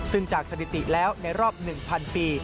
ซึ่งจากสถิติแล้วในรอบ๑๐๐ปี